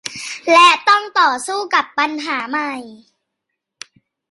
และต้องต่อสู้กับปัญหาใหม่